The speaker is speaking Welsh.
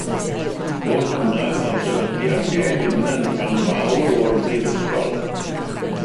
Fodd bynnag, mae'r sefydliadau hyn yn rhan fawr o'r Brifysgol.